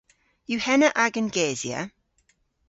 Yw henna agan gesya?